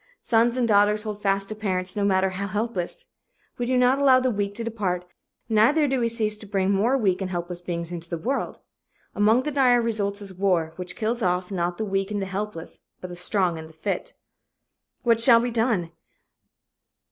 Sons and daughters hold fast to parents, no matter how helpless. We do not allow the weak to depart; neither do we cease to bring more weak and helpless beings into the world. Among the dire results is war, which kills off, not the weak and the helpless, but the strong and the fit. What shall be done?